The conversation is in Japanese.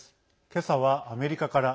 けさはアメリカから。